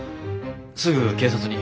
すぐ警察に。